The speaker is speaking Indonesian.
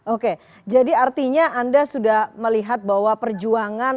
oke jadi artinya anda sudah melihat bahwa perjuangan